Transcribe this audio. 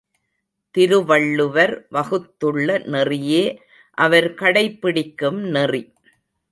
திருவள்ளுவர் வகுத்துள்ள நெறியே அவர் கடைப்பிடிக்கும் நெறி.